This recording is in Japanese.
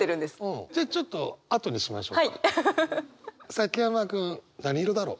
崎山君何色だろう？